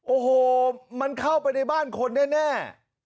โอ้โหมันเข้าไปในบ้านคนแน่